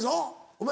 お前